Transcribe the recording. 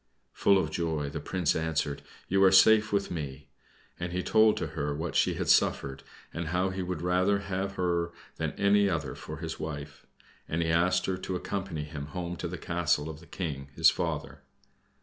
Full of joy, the Prince answered, "You are safe with me." And he told to her what she had suffered, and how he would rather have her than any other for his wife, and he asked her to accompany him home to the castle of the King his father.